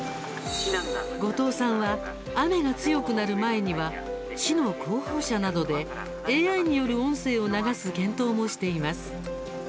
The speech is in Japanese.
後藤さんは雨が強くなる前には市の広報車などで、ＡＩによる音声を流す検討もしています。